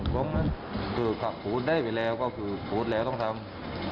แต่กลับพูดได้ไปแล้วก็พูดแล้วต้องทำ